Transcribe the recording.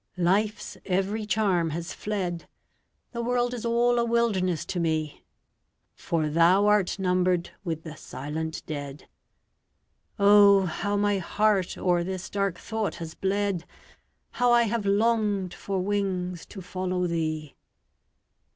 Life's every charm has fled, The world is all a wilderness to me; "For thou art numbered with the silent dead." Oh, how my heart o'er this dark thought has bled! How I have longed for wings to follow thee!